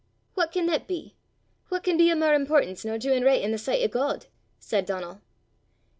"What can that be? What can be o' mair importance nor doin' richt i' the sicht o' God?" said Donal.